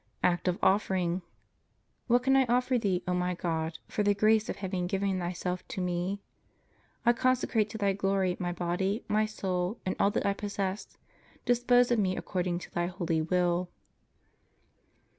Act of Offering. What can I offer Thee, O my God, for the grace of having given Thyself to me? I consecrate to Thy glory my body, my soul, and all that I possess! Dispose of me according to Thy holy will.